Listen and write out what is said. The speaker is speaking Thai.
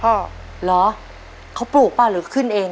เหรอเขาปลูกเปล่าหรือขึ้นเอง